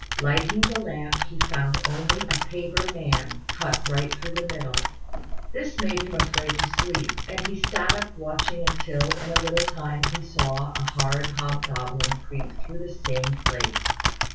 Lighting the lamp, he found only a paper man, cut right through the middle. This made him afraid to sleep, and he sat up watching, until in a little time he saw a horrid hobgoblin creep through the same place.